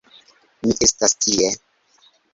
Mi estas tie!